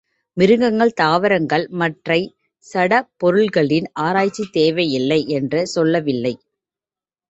மிருகங்கள், தாவரங்கள், மற்றைச் சடப் பொருள்களின் ஆராய்ச்சி தேவையில்லை என்று சொல்லவில்லை.